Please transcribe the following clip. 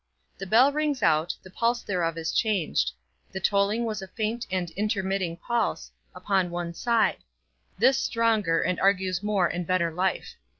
The bell rings out, the pulse thereof is changed; the tolling was a faint and intermitting pulse, upon one side; this stronger, and argues more and better life.